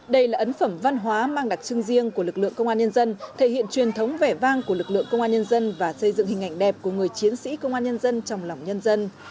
đây là ấn phẩm văn hóa mang đặc trưng riêng của lực lượng công an nhân dân thể hiện truyền thống vẻ vang của lực lượng công an nhân dân và xây dựng hình ảnh đẹp của người chiến sĩ công an nhân dân trong lòng nhân dân